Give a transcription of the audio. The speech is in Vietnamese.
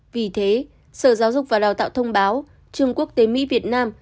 vì thế sở giáo dục và đào tạo thông báo trường quốc tế mỹ việt nam